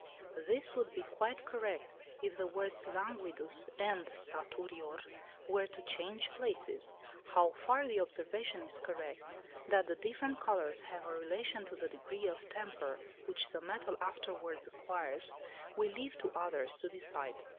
This would be quite correct if the words "languidus" and "saturior" were to change places. How far the observation is correct, that the different colours have a relation to the degree of temper which the metal afterwards acquires, we leave to others to decide.